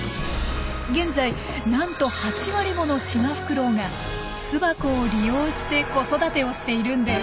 現在なんと８割ものシマフクロウが巣箱を利用して子育てをしているんです！